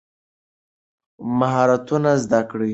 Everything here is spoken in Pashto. مهارتونه زده کړئ.